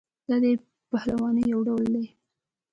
دا د پهلوانۍ یو ډول دی.